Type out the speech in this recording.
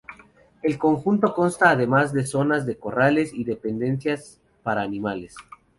El conjunto consta además de zonas de corrales y dependencias para animales.